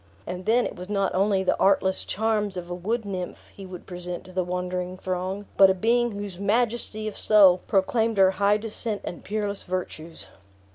And then it was not only the artless charms of a wood nymph he would present to the wondering throng, but a being whose majesty of soul proclaimed her high descent and peerless virtues.